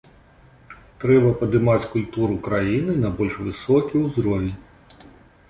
Трэба падымаць культуру краіны на больш высокі ўзровень.